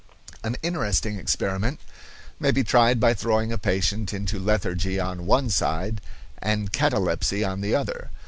An interesting experiment may be tried by throwing a patient into lethargy on one side and catalepsy on the other.